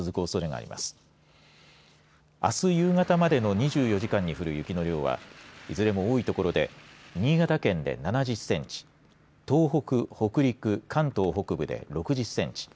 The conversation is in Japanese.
あす夕方までの２４時間に降る雪の量はいずれも多い所で新潟県で７０センチ東北、北陸、関東北部で６０センチ